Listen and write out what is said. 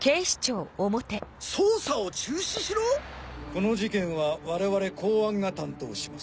この事件は我々公安が担当します。